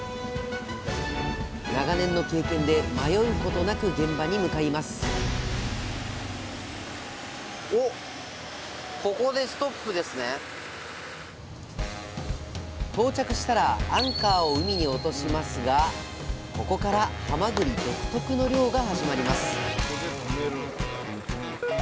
長年の経験で迷うことなく現場に向かいます到着したらアンカーを海に落としますがここからはまぐり独特の漁が始まります。